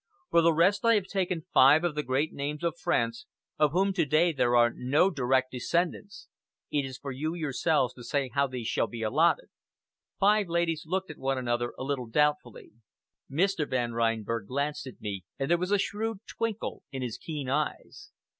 For the rest, I have taken five of the great names of France, of whom to day there are no direct descendants. It is for you yourselves to say how these shall be allotted." Five ladies looked at one another a little doubtfully. Mr. Van Reinberg glanced at me, and there was a shrewd twinkle in his keen eyes.